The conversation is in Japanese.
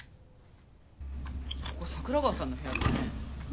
ここ桜川さんのへやだよね？